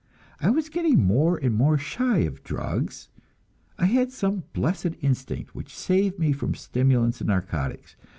I was getting more and more shy of drugs. I had some blessed instinct which saved me from stimulants and narcotics.